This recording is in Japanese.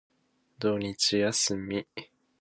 土日休み。